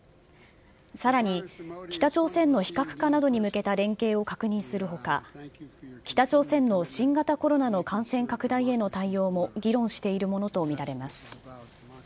さらに、北朝鮮の非核化などに向けた連携を確認するほか、北朝鮮の新型コロナの感染拡大への対応も議論しているものと見られます。